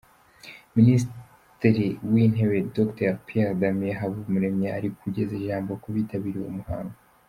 Minisitiri w’Intebe Dr Pierre Damien Habumuremyi ari kugeza ijambo ku bitabiriye uwo muhango.